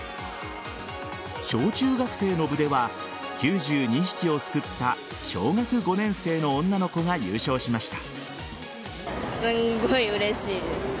小中学生の部では９２匹をすくった小学５年生の女の子が優勝しました。